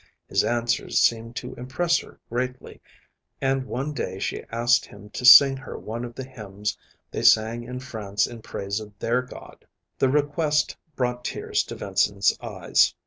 His answers seemed to impress her greatly, and one day she asked him to sing her one of the hymns they sang in France in praise of their God. The request brought tears to Vincent's eyes.